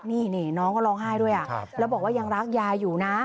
นี่น้องก็ร้องไห้ด้วยแล้วบอกว่ายังรักยายอยู่นะ